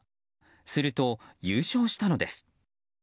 すると、優勝したのです。